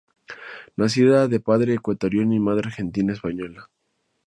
Nacida de padre ecuatoriano y madre argentina-española.